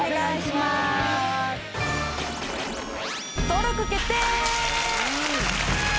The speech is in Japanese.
登録決定！